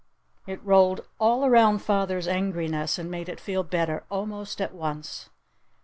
It rolled all around father's angriness and made it feel better almost at once.